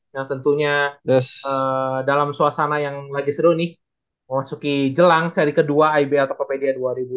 nah tentunya dalam suasana yang lagi seru nih memasuki jelang seri kedua ibl tokopedia dua ribu dua puluh